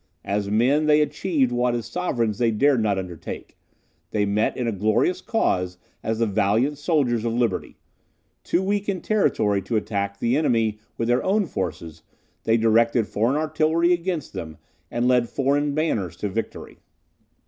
As men, they achieved what as sovereigns they dared not undertake; they met in a glorious cause as the valiant soldiers of liberty. Too weak in territory to attack the enemy with their own forces, they directed foreign artillery against them, and led foreign banners to victory.